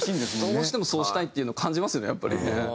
どうしてもそうしたいっていうのを感じますよね。